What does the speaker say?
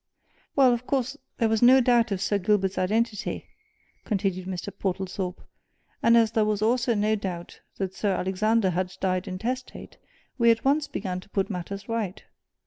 "Well, of course, there was no doubt of Sir Gilbert's identity," continued Mr. Portlethorpe; "and as there was also no doubt that Sir Alexander had died intestate, we at once began to put matters right.